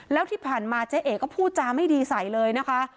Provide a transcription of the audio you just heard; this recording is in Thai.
แล้วที่ผ่านมาเจ๊เอกก็พูดจาไม่ดีใส่เลยนะคะ